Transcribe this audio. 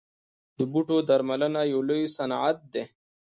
د بوټو درملنه یو لوی صنعت دی